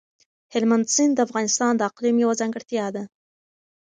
هلمند سیند د افغانستان د اقلیم یوه ځانګړتیا ده.